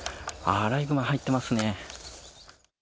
アライグマ、入ってますね。